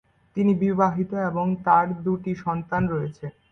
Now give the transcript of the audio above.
তিনি বিবাহিত এবং তার দুটি সন্তান রয়েছে।